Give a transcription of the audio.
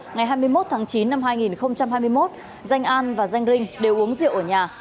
ngày hai mươi một tháng chín năm hai nghìn hai mươi một danh an và danh rinh đều uống rượu ở nhà